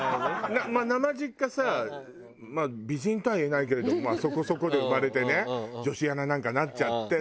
なまじっかさ美人とは言えないけれどもそこそこで生まれてね女子アナなんかなっちゃって。